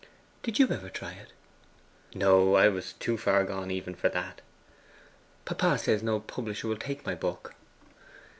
'Did you ever try it?' 'No; I was too far gone even for that.' 'Papa says no publisher will take my book.